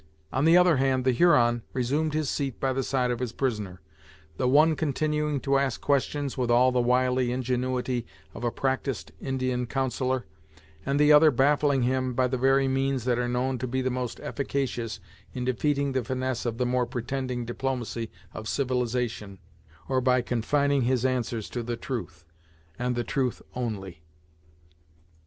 On the other hand the Huron resumed his seat by the side of his prisoner, the one continuing to ask questions with all the wily ingenuity of a practised Indian counsellor, and the other baffling him by the very means that are known to be the most efficacious in defeating the finesse of the more pretending diplomacy of civilization, or by confining his answers to the truth, and the truth only.